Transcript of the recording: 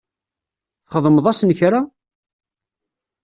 Txedmeḍ-asen kra?